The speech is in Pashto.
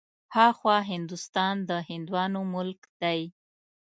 ها خوا هندوستان د هندوانو ملک دی.